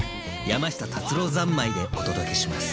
山下達郎三昧でお届けします！